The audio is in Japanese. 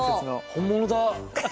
本物だ。